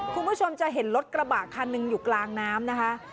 คุณผู้ชมจะเห็นรถกระบะคันหนึ่งอยู่กลางน้ำนะคะ